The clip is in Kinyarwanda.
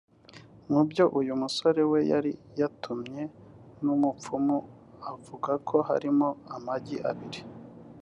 Mu byo uyu musore we yari yatumwe n’umupfumu avuga ko harimo amagi abiri